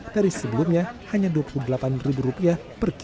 dari sebelumnya hanya dua puluh delapan rupiah